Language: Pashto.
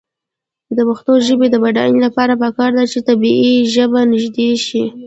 د پښتو ژبې د بډاینې لپاره پکار ده چې طبعي ژبه نژدې شي.